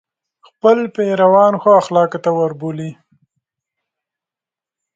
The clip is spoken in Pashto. خپل پیروان ښو اخلاقو ته وروبولي.